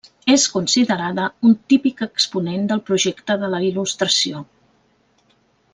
És considerada un típic exponent del projecte de la Il·lustració.